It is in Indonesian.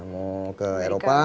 mau ke eropa